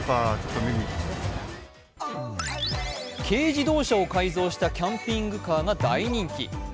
軽乗用車を改造したキャンピングカーが大人気。